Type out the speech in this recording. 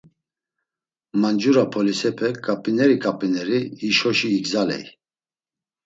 Mancura polisepe ǩap̌ineri ǩap̌ineri hişoşi igzaley.